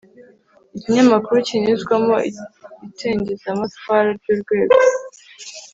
ikinyamakuru kinyuzwamo icengezamatwara ry'urwego